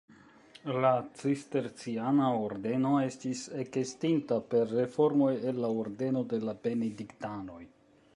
La Cisterciana ordeno estis ekestinta per reformoj el la ordeno de la Benediktanoj.